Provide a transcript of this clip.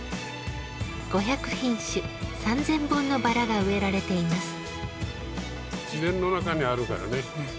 ５００品種、３０００本のバラが植えられています。